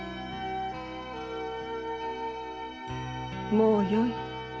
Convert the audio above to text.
もうよい。